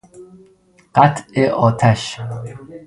قطع آتش